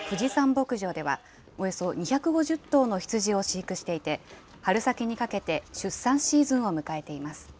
牧場では、およそ２５０頭の羊を飼育していて、春先にかけて出産シーズンを迎えています。